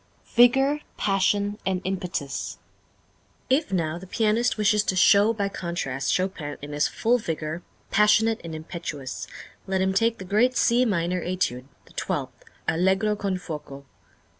Vigor, Passion, and Impetus. If now the pianist wishes to show by contrast Chopin in his full vigor, passionate and impetuous, let him take the great C Minor Étude, the twelfth, Allegro con fuoco.